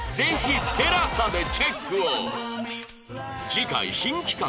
次回新企画